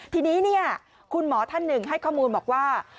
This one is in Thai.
ทีนี้คุณหมอท่านหนึ่งให้ข้อมูลบอกว่า